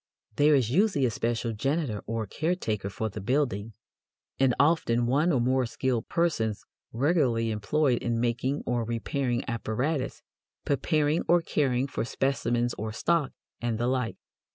There is usually a special janitor or caretaker for the building, and often one or more skilled persons regularly employed in making or repairing apparatus, preparing or caring for specimens or stock, and the like.